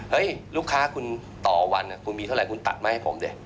ลูกค้าคุณต่อวันคุณมีเท่าไรคุณตัดมาให้ผมดิ